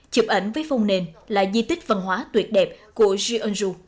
chụp ảnh với phông nền là di tích văn hóa tuyệt đẹp của jeonju